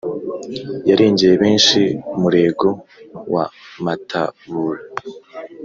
yarengeye benshi murego wa matabura